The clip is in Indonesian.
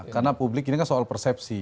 karena publik ini kan soal persepsi